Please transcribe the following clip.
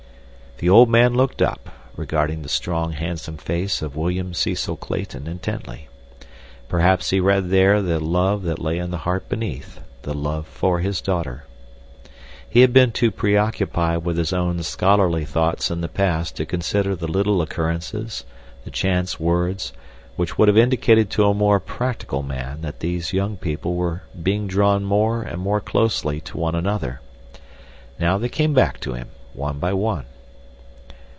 The old man looked up, regarding the strong, handsome face of William Cecil Clayton intently. Perhaps he read there the love that lay in the heart beneath—the love for his daughter. He had been too preoccupied with his own scholarly thoughts in the past to consider the little occurrences, the chance words, which would have indicated to a more practical man that these young people were being drawn more and more closely to one another. Now they came back to him, one by one.